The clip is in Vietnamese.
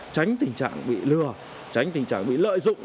tránh tình trạng bị lừa tránh tình trạng bị lợi dụng